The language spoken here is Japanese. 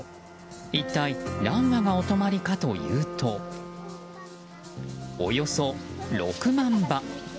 一体何羽がお泊まりというとおよそ６万羽。